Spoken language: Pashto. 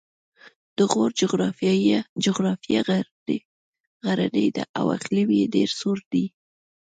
د غور جغرافیه غرنۍ ده او اقلیم یې ډېر سوړ دی